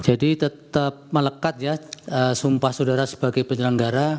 jadi tetap melekat ya sumpah saudara sebagai penyelenggara